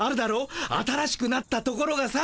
新しくなったところがさ。